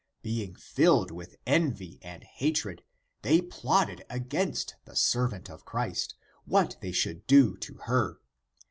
Being filled with envy and hatred they plotted against the servant of Christ, what they should do to her.